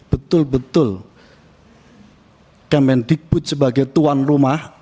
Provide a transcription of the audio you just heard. betul betul kemendikbud sebagai tuan rumah